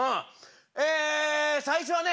え最初はね